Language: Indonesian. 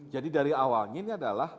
jadi dari awalnya ini adalah